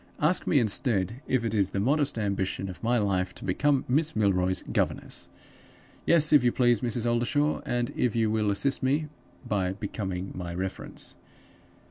Ask me, instead, if it is the modest ambition of my life to become Miss Milroy's governess?' Yes, if you please, Mrs. Oldershaw, and if you will assist me by becoming my reference.